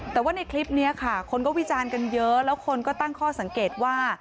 แต่ว่าในคลิปนี้ค่ะคนก็วิจารณ์กันเยอะแล้วคนก็ตั้งข้อสังเกตว่า